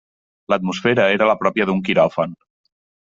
L'atmosfera era la pròpia d'un quiròfan.